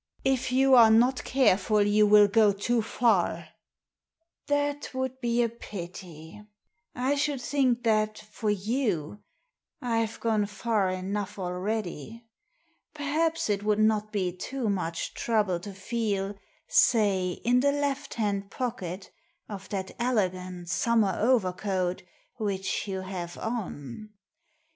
" If you are not careful you will go too far !"" That would be a pity. I should think that, for you, I've gone far enough already. Perhaps it would not be too much trouble to feel, say, in the left hand pocket of that elegant summer overcoat which you have on."